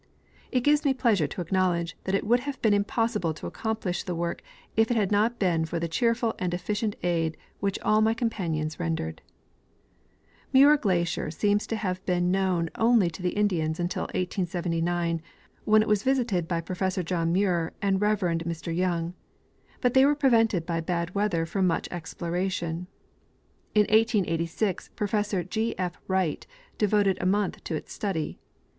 It gives me pleasure to acknowledge that it would have been impossible to accomplish the work if it had not l)een for the cheerful and efficient aid which all my companions rendered. Muir glacier seems to have been known only to the Indians until 1879, when it was visited by Professor John Muir and Reverend Mr Young ; but they were prevented by bad weather from much exploration. In 1886 Professor G. F. Wright devoted a month to its study.